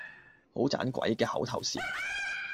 好盞鬼嘅口頭禪